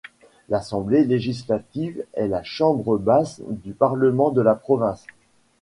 L'Assemblée législative est la chambre basse du parlement de la province.